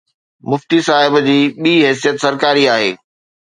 مفتي صاحب جي ٻي حيثيت سرڪاري آهي.